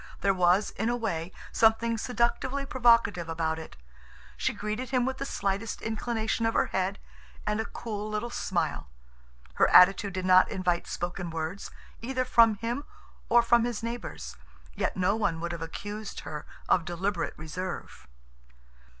There was, in a way, something seductively provocative about it. She greeted him with the slightest inclination of her head and a cool little smile. Her attitude did not invite spoken words, either from him or from his neighbors, yet no one would have accused her of deliberate reserve.